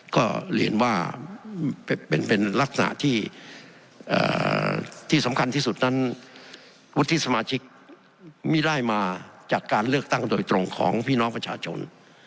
ก็เรียนว่าเป็นลักษณะที่สำคัญที่สุดนั้นวุฒิสมาชิกไม่ได้มาจากการเลือกตั้งโดยตรงของพี่น้องประชาชน